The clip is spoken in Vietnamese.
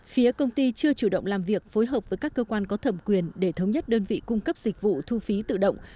phía công ty chưa chủ động làm việc phối hợp với các cơ quan có thẩm quyền để thống nhất đơn vị cung cấp dịch vụ thu phí tự động